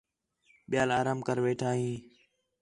ٻِیال آرام کر ویٹھا ہیں